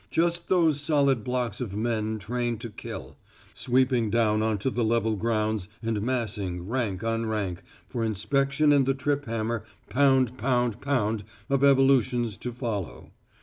Just those solid blocks of men trained to kill, sweeping down on to the level grounds and massing, rank on rank, for inspection and the trip hammer pound pound pound of evolutions to follow.